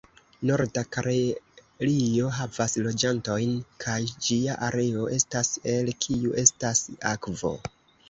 Norda Karelio havas loĝantojn kaj ĝia areo estas el kiu estas akvo.